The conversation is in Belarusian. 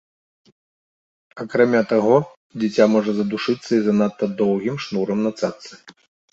Акрамя таго, дзіця можа задушыцца і занадта доўгім шнурам на цаццы.